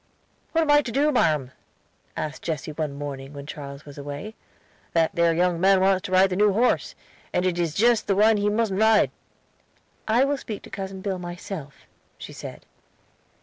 "What am I to do, marm?" asked Jesse one morning when Charles was away. "That ere young man wants to ride the new horse, and it is jist the one he mus'n't ride." "I will speak to Cousin Bill myself," she said.